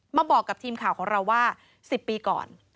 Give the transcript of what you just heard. มาบอกกับทีมข่าวของเราว่า๑๐ปีก่อน